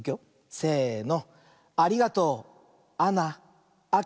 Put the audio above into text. せの。